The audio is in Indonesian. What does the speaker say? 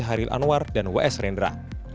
haril anwar dan w s rendra